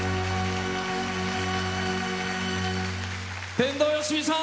天童よしみさん